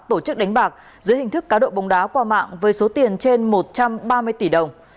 tổ chức đánh bạc dưới hình thức cá độ bóng đá qua mạng với số tiền trên một trăm ba mươi tỷ đồng